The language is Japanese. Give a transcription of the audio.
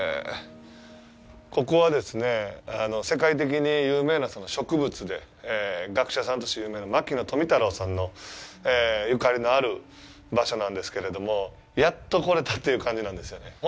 ここはですね、世界的に有名な植物で、学者さんとして有名な牧野富太郎さんのゆかりのある場所なんですけれども、やっと来れたという感じなんですよね。